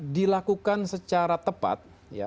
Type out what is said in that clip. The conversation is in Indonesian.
dilakukan secara tepat